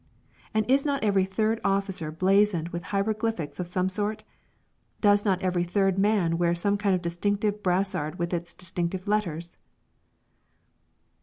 And is not every third office blazoned with hieroglyphics of some sort? Does not every third man wear some kind of distinctive brassard with its distinctive letters?